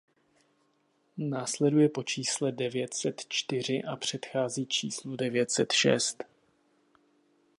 Následuje po čísle devět set čtyři a předchází číslu devět set šest.